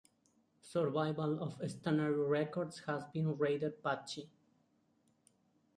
Survival of stannary records has been rather patchy.